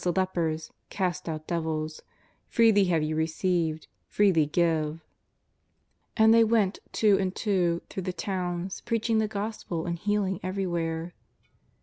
the lepers, cast out devils: freely have you received, freely give/' And they went two and two through the towns, preaching the Gospel and healing everywhere.